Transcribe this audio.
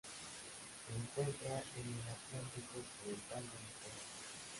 Se encuentra en el Atlántico occidental: Venezuela.